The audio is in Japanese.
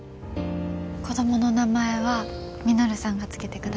子供の名前は稔さんが付けてくださいね。